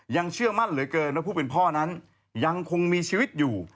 เชื่อมั่นเหลือเกินว่าผู้เป็นพ่อนั้นยังคงมีชีวิตอยู่